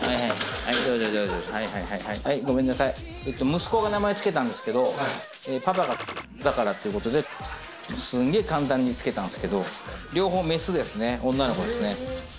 息子が名前つけたんですけど、パパがだからということで、すげえ簡単につけたんですけど、両方メスですね。